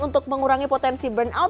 untuk mengurangi potensi burnout